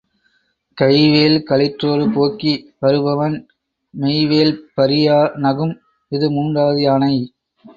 கைவேல் களிற்றொடு போக்கி வருபவன் மெய்வேல் பறியா நகும். இது மூன்றாவது யானை.